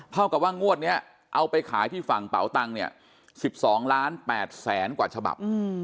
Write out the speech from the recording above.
เท่ากับว่างว่างวดเนี่ยเอาไปขายที่ฝั่งเป่าตังค์เนี่ย๑๒๘๘๐๐๐๐ฉบับ